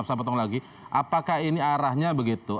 apakah ini arahnya begitu